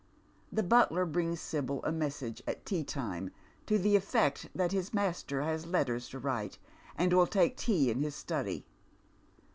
The butler brings Sibyl a message at tea time to the effect that his master has letters to write, and will take tea in his study.